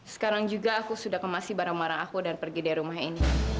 sekarang juga aku sudah kemasi barang barang aku dan pergi dari rumah ini